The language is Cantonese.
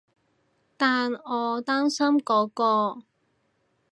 但我擔心嗰個